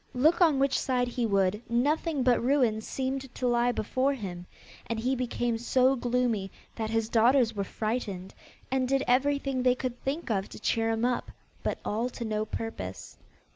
Look on which side he would, nothing but ruin seemed to lie before him, and he became so gloomy, that his daughters were frightened, and did everything they could think of to cheer him up, but all to no purpose.